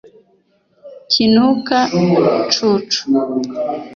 Kinuka cucu